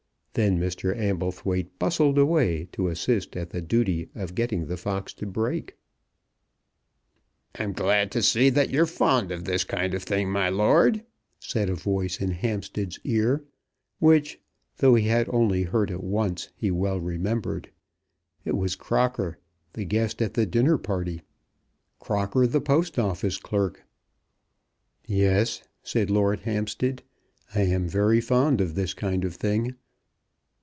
Then Mr. Amblethwaite bustled away to assist at the duty of getting the fox to break. "I'm glad to see that you're fond of this kind of thing, my lord," said a voice in Hampstead's ear, which, though he had only heard it once, he well remembered. It was Crocker, the guest at the dinner party, Crocker, the Post Office clerk. "Yes," said Lord Hampstead, "I am very fond of this kind of thing.